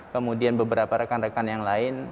kemudian beberapa rekan rekan yang lain